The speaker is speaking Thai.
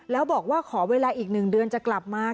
แล้วบอกว่าขอเวลาอีก๑เดือนจะกลับมา